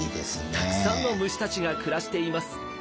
たくさんの虫たちが暮らしています。